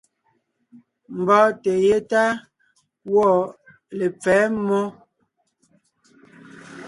Mbɔ́ɔnte yétá gwɔ̂ lepfɛ̌ mmó.